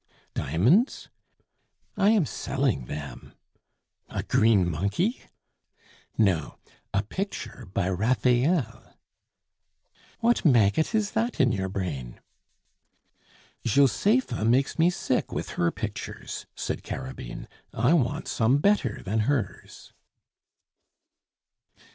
"Diamonds?" "I am selling them." "A green monkey?" "No. A picture by Raphael." "What maggot is that in your brain?" "Josepha makes me sick with her pictures," said Carabine. "I want some better than hers."